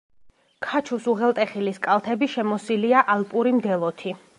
ქაჩუს უღელტეხილის კალთები შემოსილია ალპური მდელოთი.